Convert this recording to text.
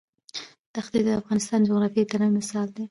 دښتې د افغانستان د جغرافیوي تنوع مثال دی.